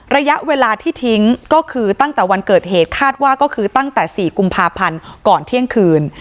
ระยะเวลาที่ทิ้งก็คือตั้งแต่วันเกิดเหตุคาดว่าก็คือตั้งแต่๔กุมภาพันธ์ก่อนเที่ยงคืน